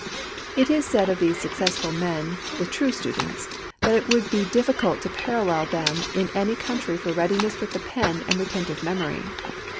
It is said of these successful men, the true students, that it would be difficult to parallel them in any country for readiness with the pen and retentive memory.